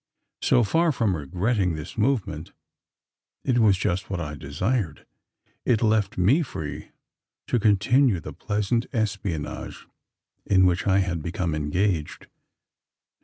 So far from regretting this movement, it was just what I desired: it left me free to continue the pleasant espionage in which I had become engaged.